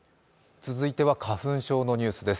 続いては花粉症のニュースです。